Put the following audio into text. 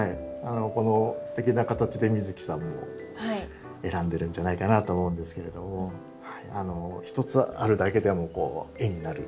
このすてきな形で美月さんも選んでるんじゃないかなと思うんですけれども一つあるだけでもうこう絵になる。